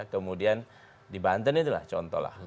kemudian di banten itulah contoh lah